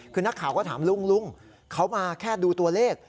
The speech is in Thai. คือนักข่าวก็ถามลุงลุงเขามาแค่ดูตัวเลข